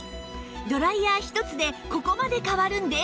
ドライヤー一つでここまで変わるんです